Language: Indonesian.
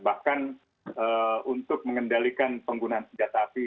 bahkan untuk mengendalikan penggunaan senjata api